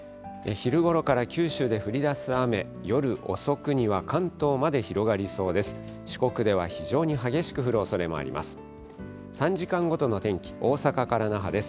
昼ごろから九州で降りだす雨、夜遅くには関東まで広がりそうです。